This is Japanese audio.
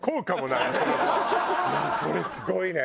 いやこれすごいね。